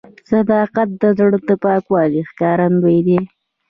صداقت د زړه د پاکوالي ښکارندوی دی.